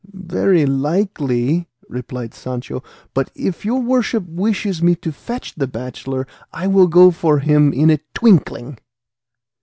"Very likely," replied Sancho, "but if your worship wishes me to fetch the bachelor I will go for him in a twinkling."